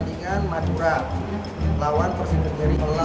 pertandingan madura lawan persidik dari